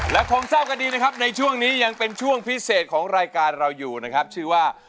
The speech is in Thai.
และคงเศร้ากันดีนะครับในช่วงนี้ยังเป็นช่วงพิเศษของรายการเราอยู่นะครับชื่อว่า